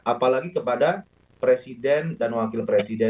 apalagi kepada presiden dan wakil presiden